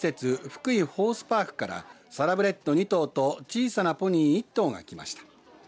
福井ホースパークからサラブレッド２頭と小さなポニー１頭がきました。